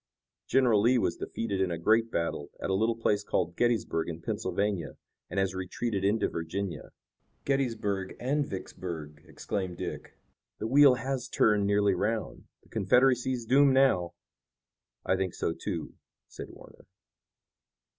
"General Lee was defeated in a great battle at a little place called Gettysburg in Pennsylvania, and has retreated into Virginia." "Gettysburg and Vicksburg!" exclaimed Dick. "The wheel has turned nearly 'round. The Confederacy is doomed now." "I think so, too," said Warner.